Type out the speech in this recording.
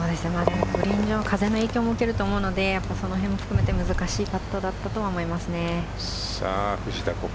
グリーン上、風の影響も受けると思うのでその辺も含めて難しいパットだったと思います。